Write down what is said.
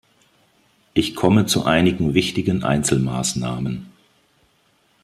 Ich komme zu einigen wichtigen Einzelmaßnahmen.